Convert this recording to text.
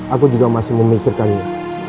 aku juga masih memikirkannya